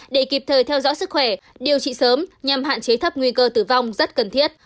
để kịp thời theo dõi sức khỏe điều trị sớm nhằm hạn chế thấp nguy cơ tử vong rất cần thiết